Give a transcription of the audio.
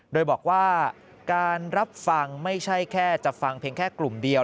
โดยบอกว่าการรับฟังไม่ใช่แค่จะฟังเพียงแค่กลุ่มเดียว